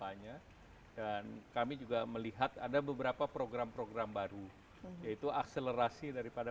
lainnya dan kami juga melihat ada beberapa program program baru yaitu akselerasi daripada